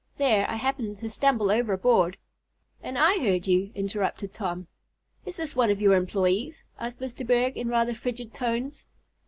There I happened to stumble over a board " "And I heard you," interrupted Tom. "Is this one of your employees?" asked Mr. Berg in rather frigid tones.